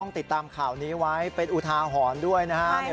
ติดตามข่าวนี้ไว้เป็นอุทาหรณ์ด้วยนะครับ